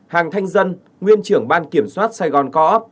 hàng thanh dân nguyên trưởng ban kiểm soát sài gòn co op